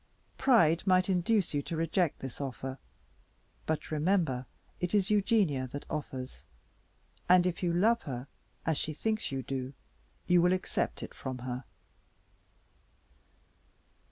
Pride might induce you to reject this offer; but remember it is Eugenia that offers: and if you love her as she thinks you do, you will accept it from her."